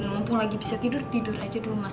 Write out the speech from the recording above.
mumpung lagi bisa tidur tidur aja dulu mas